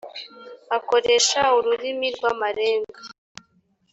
akoresha ururimi rw amarenga